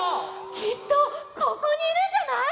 きっとここにいるんじゃない？